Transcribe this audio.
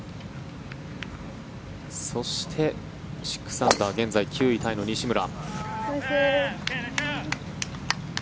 そして６アンダー現在９位タイの西村。